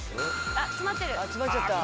あっ詰まってる！